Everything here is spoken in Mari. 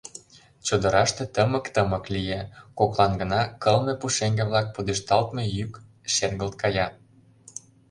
Чодыраште тымык-тымык лие, коклан гына кылме пушеҥге-влак пудешталтме йӱк шергылт кая.